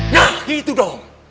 nah itu dong